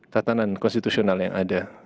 tatanan konstitusional yang ada